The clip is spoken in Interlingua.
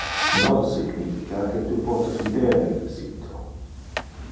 non significa que tu pote fider in le sito